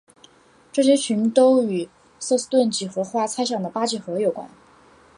这些群都与瑟斯顿几何化猜想的八几何有关。